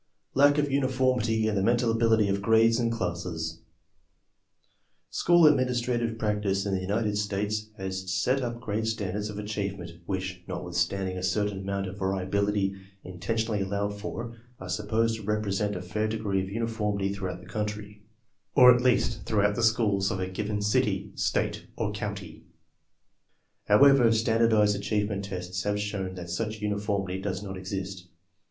U LACK OF UNIFORMITY IN THE RENTAL ABIUTY OF GRADES AND CLASSES School administrative practice in the United States has set up grade standards of achievement which, not I THE PROBLEM 5 withstanding a certain amount of variability intention ally allowed for, are supposed to represent a fair degree of uniformity throughout the country, or at least throughout the schools of a given city, state, or county. However, standardized achievement tests have shown that such uniformity does not exist.